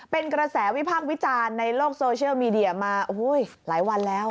เป็นกระแสวิพากษ์วิจารณ์ในโลกโซเชียลมีเดียมาหลายวันแล้ว